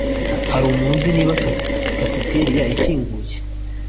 Hari umuntu uzi niba cafeteria ikinguye?